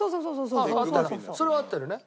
それは合ってるね。